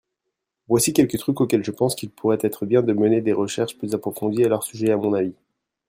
voici quelques trucs auxquels je pense qu'il pourrait être bien de mener des recherches plus approfondies à leur sujet, à mon avis.